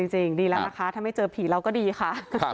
จริงดีแล้วนะคะถ้าไม่เจอผีเราก็ดีค่ะ